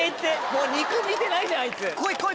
もう肉見てないじゃんあいつ。